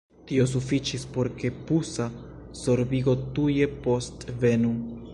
Tio sufiĉis, por ke pusa sorbigo tuje postvenu.